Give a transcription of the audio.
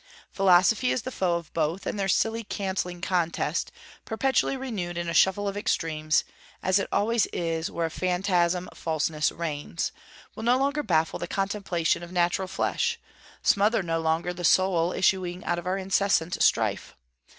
Philosophy is the foe of both, and their silly cancelling contest, perpetually renewed in a shuffle of extremes, as it always is where a phantasm falseness reigns, will no longer baffle the contemplation of natural flesh, smother no longer the soul issuing out of our incessant strife.